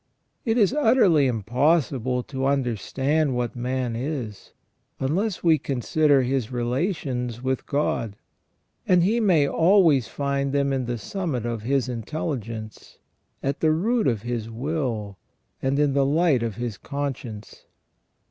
It is utterly impossible to understand what man is, unless we consider his relations with God ; and he may always find them in the summit of his intelligence, at the root of his will, and in the light of his conscience.